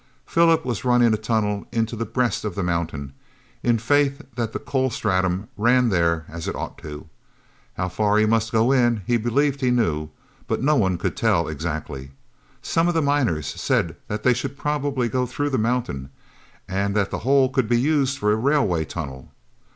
Philip was running a tunnel into the breast of the mountain, in faith that the coal stratum ran there as it ought to. How far he must go in he believed he knew, but no one could tell exactly. Some of the miners said that they should probably go through the mountain, and that the hole could be used for a railway tunnel.